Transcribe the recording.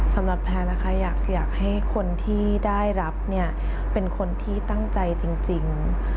สำหรับแพลนะคะอยากให้คนที่ได้รับเนี่ยเป็นคนที่ตั้งใจจริง